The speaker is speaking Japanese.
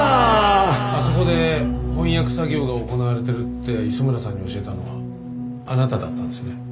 あそこで翻訳作業が行われているって磯村さんに教えたのはあなただったんですね。